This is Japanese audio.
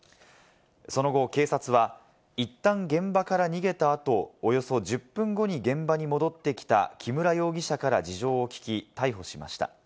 その後、警察はいったん現場から逃げた後、およそ１０分後に現場に戻ってきた木村容疑者から事情を聞き、逮捕しました。